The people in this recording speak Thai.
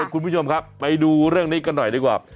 คุณผู้ชมครับไปดูเรื่องนี้กันหน่อยดีกว่า